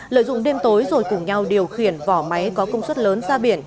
lợi dụng đêm tối rồi cùng nhau điều khiển vỏ máy có công suất lớn ra biển